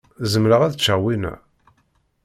Zemreɣ ad ččeɣ winna?